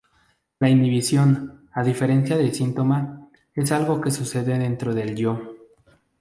La inhibición, a diferencia del síntoma, es algo que sucede dentro del Yo.